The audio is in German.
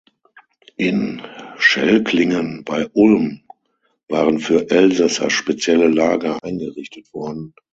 In Schelklingen bei Ulm waren für Elsässer spezielle Lager eingerichtet worden.